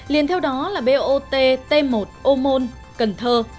liền theo đó là bot t một ô môn cần thơ